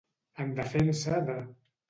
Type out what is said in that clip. En defensa de.